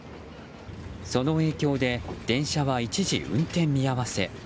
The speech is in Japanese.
その影響で電車は一時運転見合わせ。